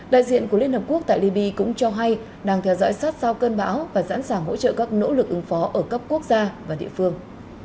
đại diện của liên hợp quốc tại libby cũng cho hay đang theo dõi sát sao cơn bão và sẵn sàng hỗ trợ các nỗ lực ứng phó ở cấp quốc gia và địa phương